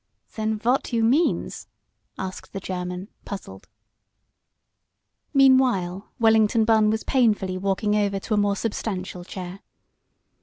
"Than vot you means?" asked the German, puzzled. Meanwhile Wellington Bunn was painfully walking over to a more substantial chair.